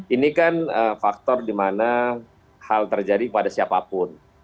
ini kan faktor di mana hal terjadi pada siapapun